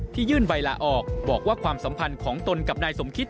ยื่นใบลาออกบอกว่าความสัมพันธ์ของตนกับนายสมคิต